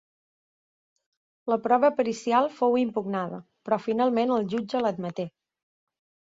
La prova pericial fou impugnada, però finalment el jutge l'admeté.